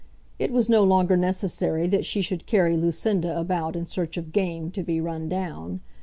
It was no longer necessary that she should carry Lucinda about in search of game to be run down.